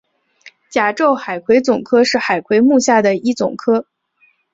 甲胄海葵总科是海葵目下的一总科。